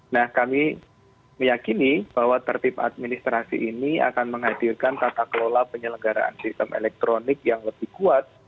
nah kami meyakini bahwa tertib administrasi ini akan menghadirkan tata kelola penyelenggaraan sistem elektronik yang lebih kuat